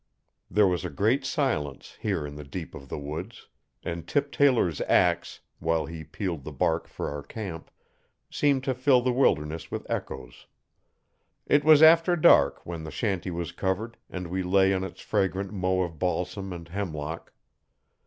There was a great silence, here in the deep of the woods, and Tip Taylor's axe, while he peeled the bark for our camp, seemed to fill the wilderness with echoes. It was after dark when the shanty was covered and we lay on its fragrant mow of balsam and hemlock.